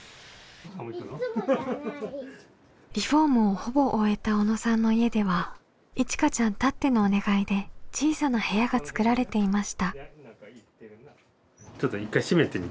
リフォームをほぼ終えた小野さんの家ではいちかちゃんたってのお願いで小さな部屋が作られていました。